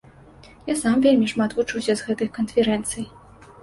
Я сам вельмі шмат вучуся з гэтых канферэнцый.